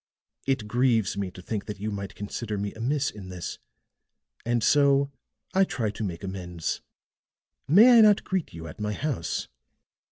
"It grieves me to think that you might consider me amiss in this, and so I try to make amends. May I not greet you at my house?